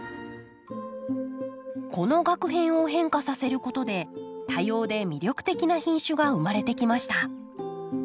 このがく片を変化させることで多様で魅力的な品種が生まれてきました。